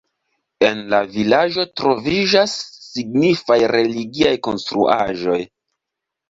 En la vilaĝo troviĝas signifaj religiaj konstruaĵoj.